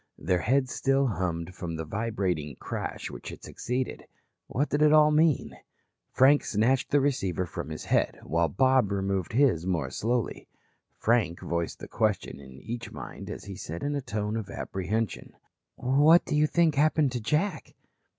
Their heads still hummed from the vibrating crash which had succeeded. What did it all mean? Frank snatched the receiver from his head, while Bob removed his more slowly. Frank voiced the question in each mind as he said in a tone of apprehension: "What do you think happened to Jack?"